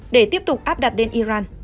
để tiếp tục áp đặt đến iran